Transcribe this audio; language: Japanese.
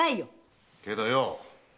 けどよ